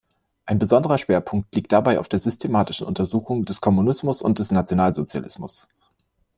Ein besonderer Schwerpunkt liegt dabei auf der systematischen Untersuchung des Kommunismus und des Nationalsozialismus.